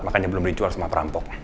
makanya belum dijual sama perampok